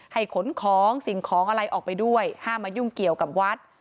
ขนของสิ่งของอะไรออกไปด้วยห้ามมายุ่งเกี่ยวกับวัด